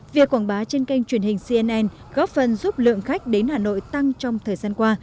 việc quảng bá trên kênh truyền hình cnn góp phần giúp lượng khách đến hà nội tăng trong thời gian qua